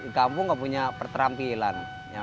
di kampung nggak punya keterampilan